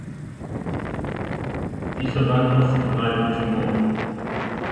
Sie verband oft Gewalt mit Humor.